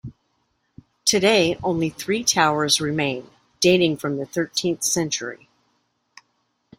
Today only three towers remain, dating from the thirteenth century.